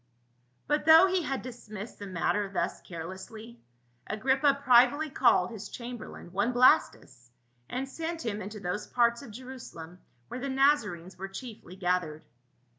But though he had dismissed the matter thus care lessly, Agrippa privily called his chamberlain, one Blastus, and sent him into those parts of Jerusalem where the Nazarenes were chiefly gathered.